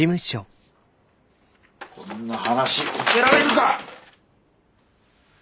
こんな話受けられるか！